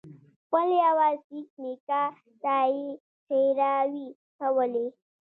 خپل يوه سېک نیکه ته یې ښېراوې کولې.